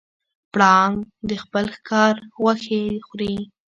پړانګ د خپل ښکار غوښې خوري.